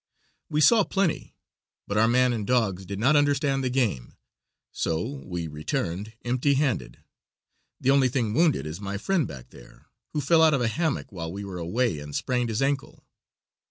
We saw plenty, but our man and dogs did not understand the game, so we returned empty handed. The only thing wounded is my friend back there, who fell out of a hammock while we were away and sprained his ankle."